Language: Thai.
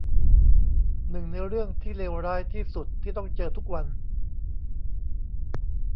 หนึ่งในเรื่องที่เลวร้ายที่สุดที่ต้องเจอทุกวัน